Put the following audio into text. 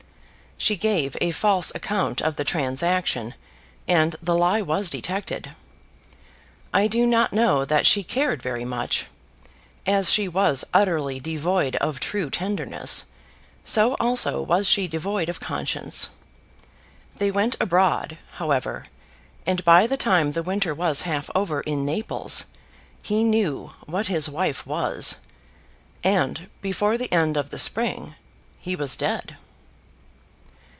She gave a false account of the transaction, and the lie was detected. I do not know that she cared very much. As she was utterly devoid of true tenderness, so also was she devoid of conscience. They went abroad, however; and by the time the winter was half over in Naples, he knew what his wife was; and before the end of the spring he was dead.